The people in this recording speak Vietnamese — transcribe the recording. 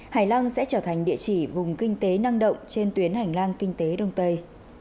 hải lăng sẽ trở thành địa chỉ vùng kinh tế năng động trên tuyến hành lang kinh tế đông tây